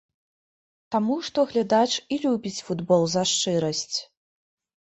Таму што глядач і любіць футбол за шчырасць.